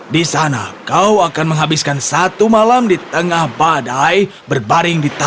di sana kau akan menghabiskan satu malam di tengah badai berbaring di tanah